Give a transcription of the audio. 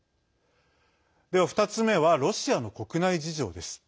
では、２つ目はロシアの国内事情です。